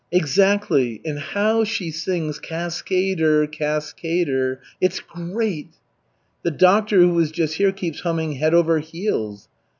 "Exactly. And how she sings 'Cas ca ader, ca as cader.' It's great." "The doctor who was just here keeps humming '_Head over heels.